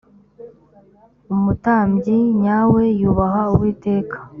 umutambyi nyawe yubaha uwiteka.